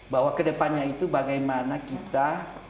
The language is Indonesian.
bahwa ke depannya itu bagaimana kita